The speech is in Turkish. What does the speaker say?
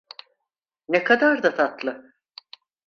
Ne kadar da tatlı.